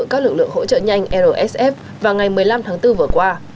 các lực lượng hỗ trợ nhanh rsf vào ngày một mươi năm tháng bốn vừa qua